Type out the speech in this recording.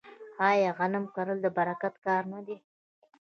آیا غنم کرل د برکت کار نه دی؟